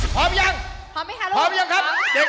พร้อมยังพร้อมยังครับเด็ก